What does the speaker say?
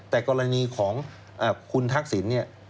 แต่กรณีของคุณทักษิณ